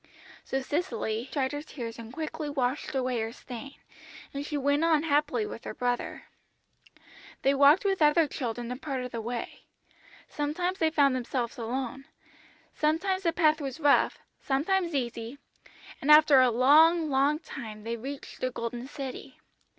"So Cicely dried her tears and quickly washed away her stain, and she went on happily with her brother. They walked with other children a part of the way; sometimes they found themselves alone; sometimes the path was rough, sometimes easy, and after a long, long time they reached the Golden City.